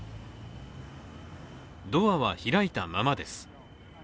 ドアは開いたままです。